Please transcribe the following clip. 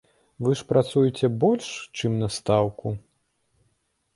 Вы ж працуеце больш, чым на стаўку?